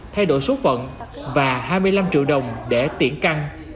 thay đổi số phận và hai mươi năm triệu đồng để tiễn căng